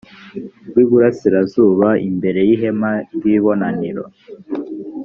rw iburasirazuba imbere y ihema ry ibonaniro